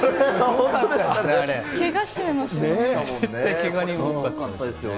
けがしちゃいますよ。